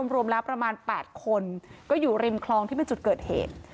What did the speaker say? รวมแล้วประมาณ๘คนก็อยู่ริมคลองที่เป็นจุดเกิดเหตุ